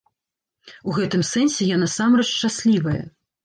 У гэтым сэнсе я насамрэч шчаслівая.